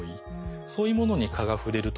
そういうものに蚊が触れるとですね